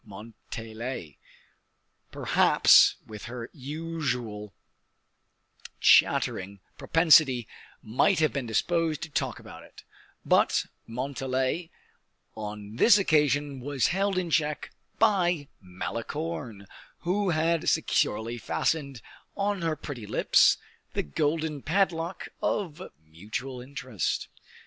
Montalais, perhaps, with her usual chattering propensity, might have been disposed to talk about it; but Montalais on this occasion was held in check by Malicorne, who had securely fastened on her pretty lips the golden padlock of mutual interest.